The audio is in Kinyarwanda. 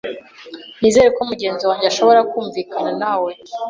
Nizere ko mugenzi wanjye ashobora kumvikana nawe.